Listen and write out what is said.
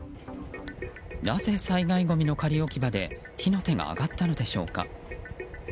なぜ災害ごみの仮置き場で火の手が上がったのでしょうか。